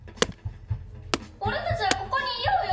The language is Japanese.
俺たちはここにいようよ。